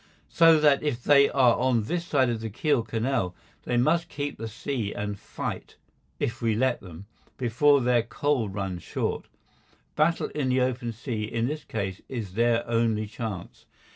So that if they are on this side of the Kiel Canal they must keep the sea and fight, if we let them, before their coal runs short. Battle in the open sea in this case is their only chance.